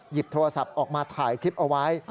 หยิบโทรศัพท์ออกมาถ่ายคลิปเอาไว้